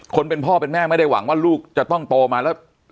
คนเป็นพ่อเป็นแม่ไม่ได้หวังว่าลูกจะต้องโตมาแล้ว